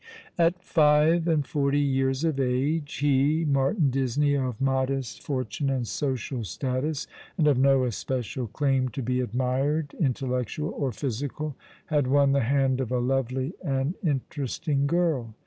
At five and forty years of age, he, Martin Disney, of modest fortune and social status, and of no especial claim to be admired, intellectual or physical, had won the hand of a lovely and interesting girl.